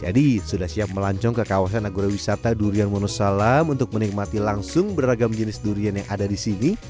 jadi sudah siap melancong ke kawasan agro wisata durian monosalam untuk menikmati langsung beragam jenis durian yang ada di sini